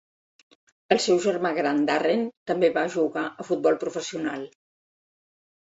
El seu germà gran Darren també va jugar a futbol professional.